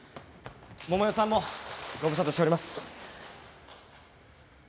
桃代さんもご無沙汰しております。